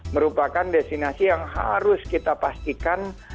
merupakan destinasi yang harus kita pastikan